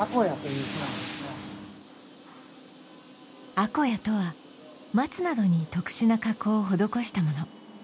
アコヤとはマツなどに特殊な加工を施したもの